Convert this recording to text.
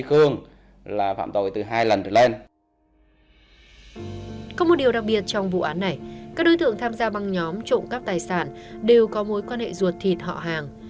có một điều đặc biệt trong vụ án này các đối tượng tham gia băng nhóm trộm cắp tài sản đều có mối quan hệ ruột thịt họ hàng